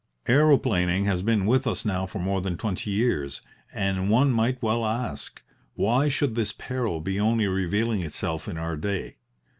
"Aeroplaning has been with us now for more than twenty years, and one might well ask: Why should this peril be only revealing itself in our day?